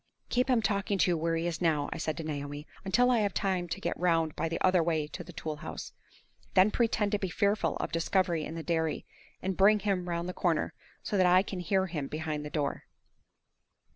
"Keep him talking to you where he is now," I said to Naomi, "until I have time to get round by the other way to the tool house. Then pretend to be fearful of discovery at the dairy, and bring him round the corner, so that I can hear him behind the door."